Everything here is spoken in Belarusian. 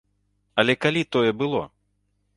Але калі тое было?